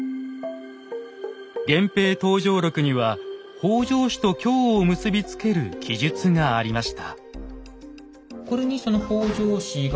「源平闘諍録」には北条氏と京を結び付ける記述がありました。